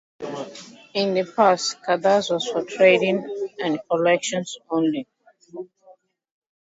In the past, Carddass was for trading and collection only.